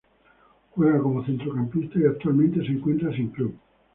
Juega como centrocampista y actualmente se encuentra sin club.